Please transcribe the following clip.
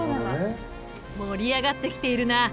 盛り上がってきているな。